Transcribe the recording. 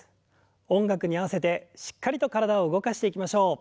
音楽に合わせてしっかりと体を動かしていきましょう。